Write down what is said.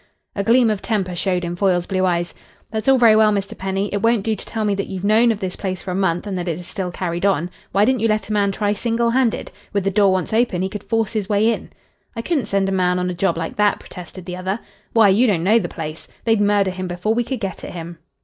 A gleam of temper showed in Foyle's blue eyes. "That's all very well, Mr. Penny. It won't do to tell me that you've known of this place for a month and that it is still carried on. Why didn't you let a man try single handed? With the door once open he could force his way in." "I couldn't send a man on a job like that," protested the other. "Why, you don't know the place. They'd murder him before we could get at him."